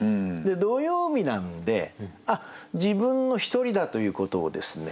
土曜日なので自分のひとりだということをですね